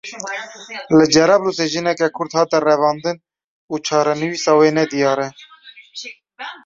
Li Cerablûsê jineke Kurd hate revandin û çarenivîsa wê nediyar e.